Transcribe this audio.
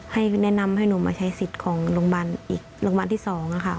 ให้แนะนำให้หนูมาใช้ศิษย์ของโรงพยาบาลที่๒ค่ะ